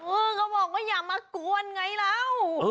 เออเขาบอกว่าอย่ามากวนไงแล้ว